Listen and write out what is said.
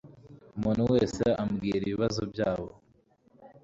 Umuntu wese ambwira ibibazo byabo.